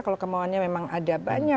kalau kemauannya memang ada